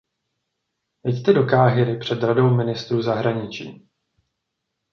Jeďte do Káhiry před Radou ministrů zahraničí.